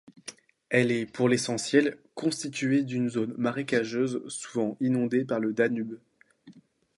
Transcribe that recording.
Elle est pour l'essentiel constituée d'une zone marécageuse, souvent inondée par le Danube.